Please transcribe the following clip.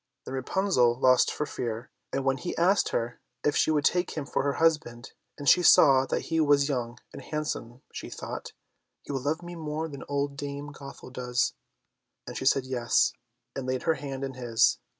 Then Rapunzel lost her fear, and when he asked her if she would take him for her husband, and she saw that he was young and handsome, she thought, "He will love me more than old Dame Gothel does;" and she said yes, and laid her hand in his.